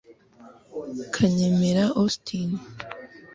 kanyemera augustin